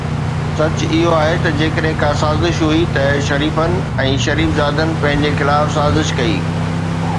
سچ اهو آهي ته جيڪڏهن ڪا سازش هئي ته شريفن ۽ شريفزادن پنهنجي خلاف سازش ڪئي.